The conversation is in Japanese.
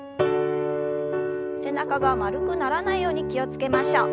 背中が丸くならないように気を付けましょう。